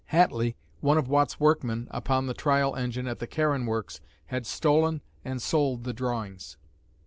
Hatley, one of Watt's workmen upon the trial engine at the Carron works, had stolen and sold the drawings.